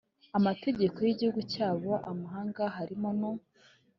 amategeko y'igihugu cyabo. amahanga, harimo n'u